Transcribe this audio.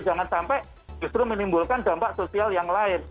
jangan sampai justru menimbulkan dampak sosial yang lain